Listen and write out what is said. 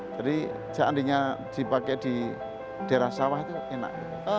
seandainya dipakai di daerah sawah itu enak